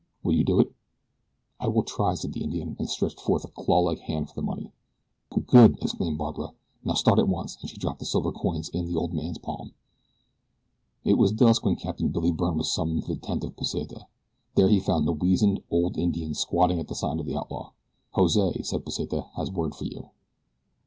Will you do it?" "I will try," said the Indian, and stretched forth a clawlike hand for the money. "Good!" exclaimed Barbara. "Now start at once," and she dropped the silver coins into the old man's palm. It was dusk when Captain Billy Byrne was summoned to the tent of Pesita. There he found a weazened, old Indian squatting at the side of the outlaw. "Jose," said Pesita, "has word for you."